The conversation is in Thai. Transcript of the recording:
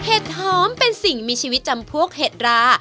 เห็ดหอมเป็นสิ่งมีชีวิตจำพวกเห็ดรา